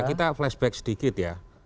kita flashback sedikit ya